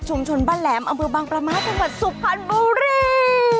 ชุมชนบ้านแหลมอำเมอบังประมาทสมัครสุพรรณบุรี